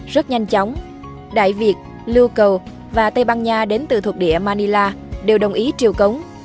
rất nhanh chóng đại việt lưu cầu và tây ban nha đến từ thuộc địa manila đều đồng ý triều cống